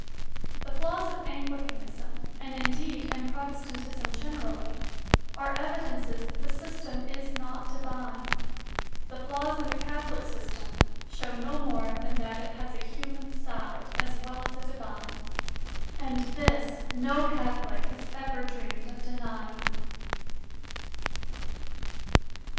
The flaws of Anglicanism, and indeed in Protestantism generally, are evidences that the system is not divine; the flaws in the Catholic system show no more than that it has a human side as well as a divine, and this no Catholic has ever dreamed of denying.